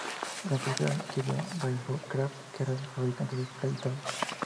La empresa adquirió Rainbow Crafts, que era el fabricante de Play-Doh.